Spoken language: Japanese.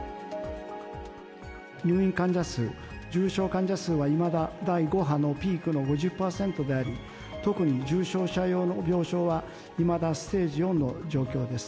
入院患者数、重症患者数はいまだ第５波のピークの５０％であり、特に重症者用の病床はいまだステージ４の状況です。